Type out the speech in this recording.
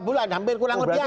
bulan hampir kurang lebih